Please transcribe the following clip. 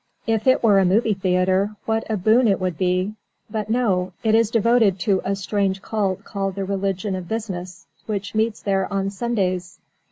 If it were a movie theatre, what a boon it would be! But no, it is devoted to a strange cult called the Religion of Business, which meets there on Sundays.